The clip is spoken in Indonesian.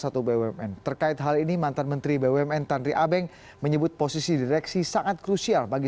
satu bumn terkait hal ini mantan menteri bumn tanri abeng menyebut posisi direksi sangat krusial bagi